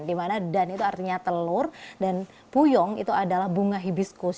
dimana dan itu artinya telur dan puyong itu adalah bunga hibiscus